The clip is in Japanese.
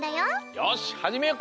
よしはじめよっか。